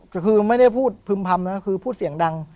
แต่คือไม่ได้พูดพึ่มพำนะคือพูดเสียงดัง